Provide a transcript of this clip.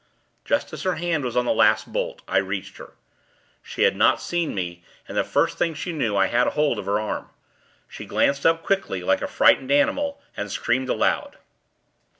Just as her hand was on the last bolt, I reached her. She had not seen me, and, the first thing she knew, I had hold of her arm. She glanced up quickly, like a frightened animal, and screamed aloud.